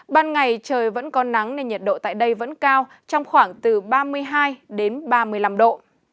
ban ngày trời vẫn có nắng nên nhiệt độ tại đây vẫn cao trong khoảng từ ba mươi hai đến ba mươi năm độ